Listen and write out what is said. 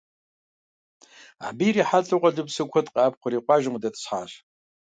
Абы ирихьэлӀэу къуалэбзу куэд къэӀэпхъуэри къуажэм къыдэтӀысхьащ.